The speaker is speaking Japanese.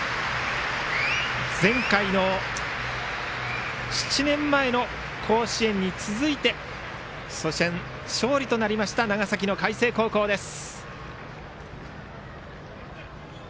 前回の７年前の甲子園に続いて初戦勝利となった長崎の海星高校です。